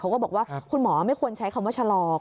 ก็บอกว่าคุณหมอไม่ควรใช้คำว่าชะลอก